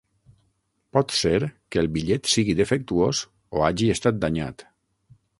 Pot ser que el bitllet sigui defectuós, o hagi estat danyat.